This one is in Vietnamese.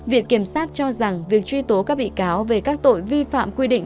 viện kiểm sát cho rằng việc truy tố các bị cáo về các tội vi phạm quy định